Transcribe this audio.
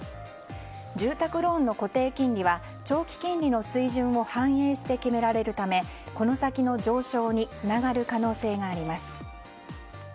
住宅ローンの固定金利は長期金利の水準を反映して決められるためこの先の上昇につながる可能性があります。